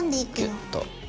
ギュッと。